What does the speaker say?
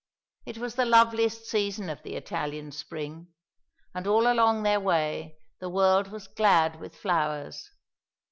It was the loveliest season of the Italian spring; and all along their way the world was glad with flowers.